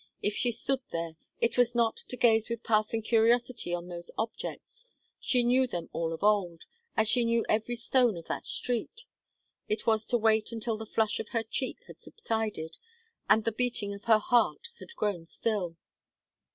If she stood there, it was not to gaze with passing curiosity on those objects; she knew them all of old, as she knew every stone of that street; it was to wait until the flush of her cheek had subsided, and the beating of her heart had grown still.